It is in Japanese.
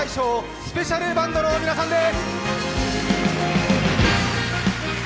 スペシャルバンドの皆さんです。